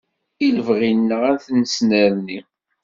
I lebɣi-nneɣ ad nessnerni.